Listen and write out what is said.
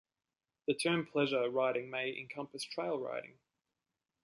The term pleasure riding may encompass trail riding.